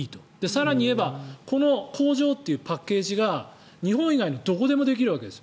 更にいえばこの工場というパッケージが日本以外のどこでもできるわけです。